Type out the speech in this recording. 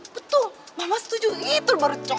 betul mama setuju itu baru cocok